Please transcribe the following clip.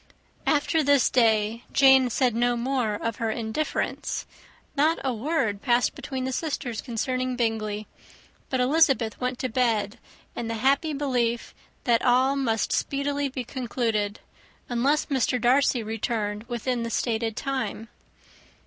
After this day, Jane said no more of her indifference. Not a word passed between the sisters concerning Bingley; but Elizabeth went to bed in the happy belief that all must speedily be concluded, unless Mr. Darcy returned within the stated time.